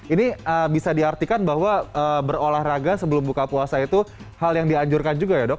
ini bisa diartikan bahwa berolahraga sebelum buka puasa itu hal yang dianjurkan juga ya dok